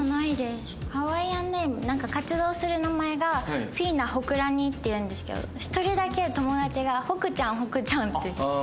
ハワイアンネームなんか活動する名前がフィーナホクラニっていうんですけど一人だけ友達が「ホクちゃんホクちゃん」って。